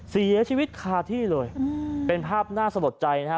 เสียชีวิตคาที่เลยเป็นภาพน่าสะลดใจนะฮะ